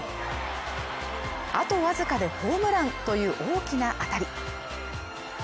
あとわずかでホームランという大きな当たり。